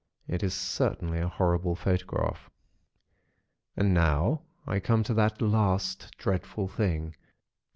It is certainly a horrible photograph. "And now I come to that last, dreadful thing.